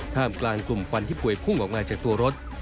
กลางกลุ่มควันที่ป่วยพุ่งออกมาจากตัวรถ